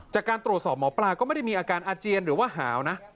จากการตรวจสอบหมอปลาก็ไม่ได้มีอาการอาเจียนหรือว่าหาวนะ